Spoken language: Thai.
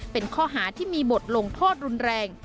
เป็นข้อหาที่มีบทลงโทษรุนแรง